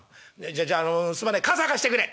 じゃじゃあのすまねえ傘貸してくれ」。